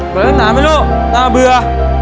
บ้านแล้วหน่าไหมลูกหน้าเบื่อ